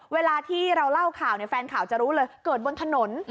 เวลาที่เราเล่าข่าวเนี่ยแฟนข่าวจะรู้เลยเกิดบนถนน